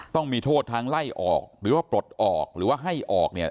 ต้องมีโทษทั้งไล่ออกหรือว่าปลดออกหรือว่าให้ออกเนี่ย